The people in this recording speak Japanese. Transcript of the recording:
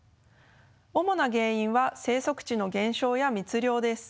主な原因は生息地の減少や密猟です。